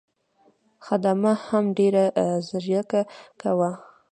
خدمه هم ډېره ځیرکه وه.